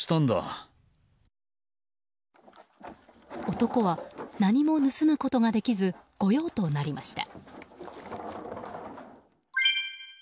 男は何も盗むことができず御用となりました。